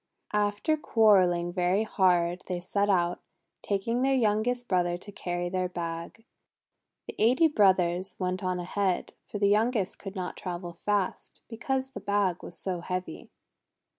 After quarrelling very hard, they set out, taking their youngest brother to carry their bag. The eighty brothers went on ahead, for the youngest could not travel fast because the bag was so heavy.